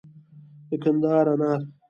د کندهار انار